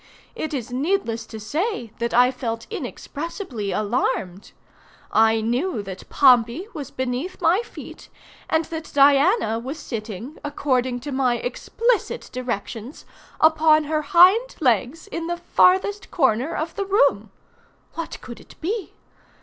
It is needless to say that I felt inexpressibly alarmed. I knew that Pompey was beneath my feet, and that Diana was sitting, according to my explicit directions, upon her hind legs, in the farthest corner of the room. What could it be?